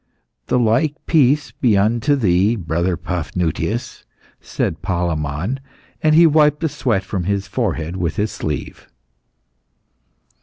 "The like peace be unto thee, brother Paphnutius," said Palemon; and he wiped the sweat from his forehead with his sleeve.